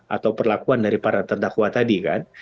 atau perlakuan dari para terdakwa tadi kan